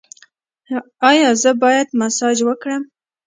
ایا زه باید مساج وکړم؟